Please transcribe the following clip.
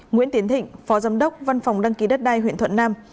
nguyễn tiến thịnh phó giám đốc văn phòng đăng ký đất đai huyện thuận nam